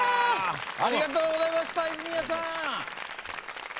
ありがとうございました泉谷さん。